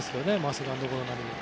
セカンドゴロなりで。